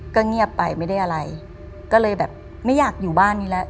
ก็เงียบไปไม่ได้อะไรก็เลยแบบไม่อยากอยู่บ้านนี้แล้ว